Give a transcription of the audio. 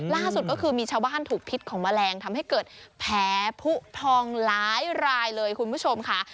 ล่าสุดก็คือมีชาวบ้านถูกพิษของแมลงทำให้เกิดแผลผู้พองหลายรายเลยคุณผู้ชมค่ะ